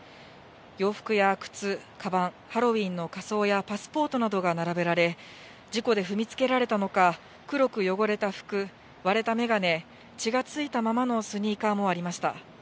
洋服や靴、かばん、ハロウィーンの仮装やパスポートなどが並べられ、事故で踏みつけられたのか、黒く汚れた服、割れた眼鏡、血が付いたままのスニーカーもありました。